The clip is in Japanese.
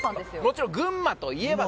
もちろん「群馬といえば」